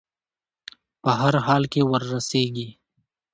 په هر حال کې وررسېږي.